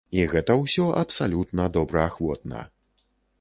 І гэта ўсё абсалютна добраахвотна.